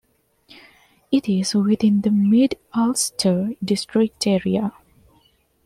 It is within the Mid-Ulster District area.